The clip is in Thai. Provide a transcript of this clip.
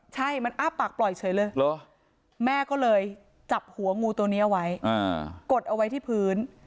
ใช่มันอ้าปากปล่อยเฉยเลยแม่ก็เลยจับหัวงูตัวนี้เอาไว้กดเอาไว้ที่พื้น